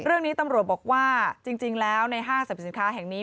เรื่องนี้ตำรวจบอกว่าจริงแล้วในห้างสรรพสินค้าแห่งนี้